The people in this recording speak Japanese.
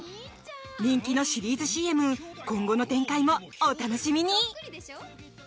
人気シリーズのＣＭ今後の展開もお楽しみに。